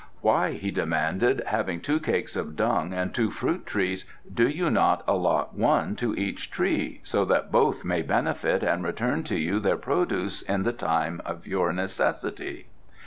"Why," he demanded, "having two cakes of dung and two fruit trees, do you not allot one to each tree, so that both may benefit and return to you their produce in the time of your necessity?"